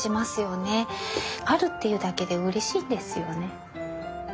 あるっていうだけでうれしいんですよね。